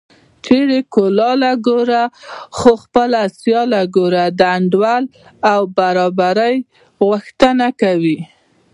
چېرې کلاله ګوره خو خپله سیاله ګوره د انډول او برابرۍ غوښتنه کوي